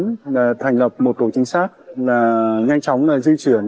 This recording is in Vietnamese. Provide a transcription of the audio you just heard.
chúng tôi đã thành lập một tổ chính xác nhanh chóng di chuyển